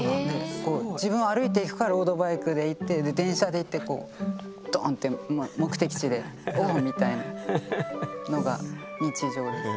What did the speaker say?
自分は歩いていくかロードバイクで行ってで電車で行ってこうドーンってみたいのが日常です。